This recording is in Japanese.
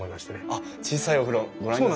あっ小さいお風呂ご覧に。